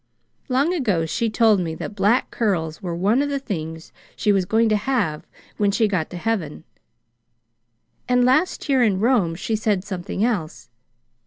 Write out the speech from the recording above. Long ago she told me that black curls were one of the things she was going to have when she got to Heaven; and last year in Rome she said something else.